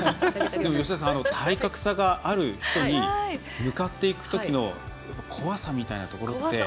吉田さん、体格がある人に向かっていくときの怖さみたいなところって。